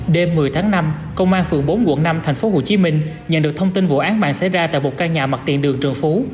đêm một mươi tháng năm công an phường bốn quận năm tp hcm nhận được thông tin vụ án mạng xảy ra tại một căn nhà mặt tiện đường trần phú